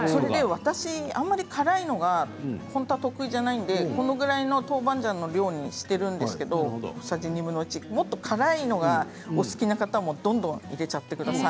私、あまり辛いのが本当は得意じゃないのでこのぐらいの豆板醤の量にしているんですけどもっと辛いのがお好きな方はどんどん入れちゃってください。